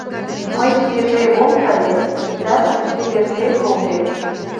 Мый шкеже ом кае, иктажым шке верчем колтем...